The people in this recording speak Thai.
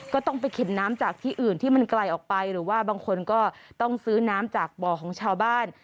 ก็ต้องไปเข็นน้ำจากที่อื่นที่มันไกลออกไปหรือว่าบางคนก็ต้องซื้อน้ำจากบ่อของชาวบ้าน